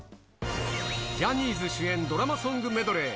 ジャニーズ主演ドラマソングメドレー。